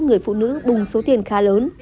người phụ nữ bùng số tiền khá lớn